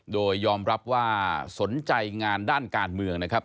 โดยยอมรับว่าสนใจงานด้านการเมืองนะครับ